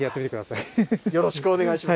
よろしくお願いします。